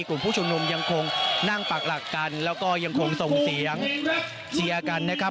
กลุ่มผู้ชุมนุมยังคงนั่งปักหลักกันแล้วก็ยังคงส่งเสียงเชียร์กันนะครับ